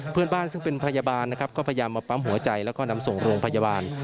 เพื่อนบ้านซึ่งเป็นพยาบาลนะครับก็พยายามมาปั๊มหัวใจแล้วก็นำส่งโรงพยาบาล